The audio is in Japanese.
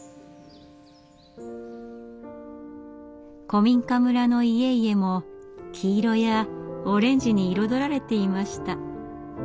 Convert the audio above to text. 古民家村の家々も黄色やオレンジに彩られていました。